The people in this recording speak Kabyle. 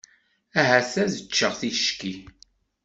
Ahat ad ččeɣ ticki.